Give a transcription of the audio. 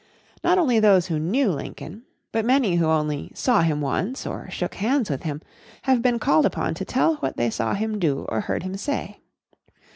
Not only those who "knew Lincoln," but many who only "saw him once" or shook hands with him, have been called upon to tell what they saw him do or heard him say.